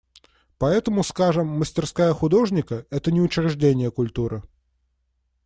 Поэтому, скажем, мастерская художника – это не учреждение культуры.